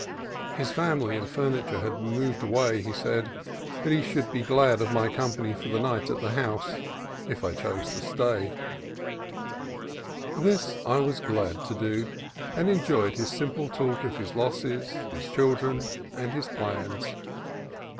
His family and furniture 148 CALIFORNIA COAST TRAILS had been moved away, he said, but he should be glad of my company for the night at the house if I chose to stay. This I was glad to do, and enjoyed his sim ple talk of his losses, his children, and his plans.